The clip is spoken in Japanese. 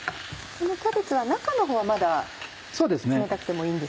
このキャベツは中の方はまだ冷たくてもいいんですね？